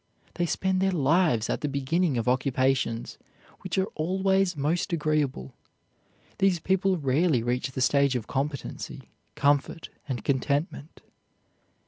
They spend their lives at the beginning of occupations, which are always most agreeable. These people rarely reach the stage of competency, comfort, and contentment.